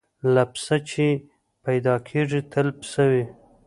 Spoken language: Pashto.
له پسه چي پیدا کیږي تل پسه وي